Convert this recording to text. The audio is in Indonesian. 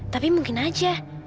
tapi mungkin aja